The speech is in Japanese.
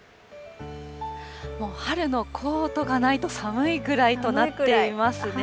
もう春のコートがないと寒いくらいとなっています。